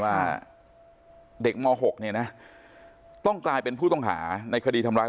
ว่าเด็กม๖เนี่ยนะต้องกลายเป็นผู้ต้องหาในคดีทำร้าย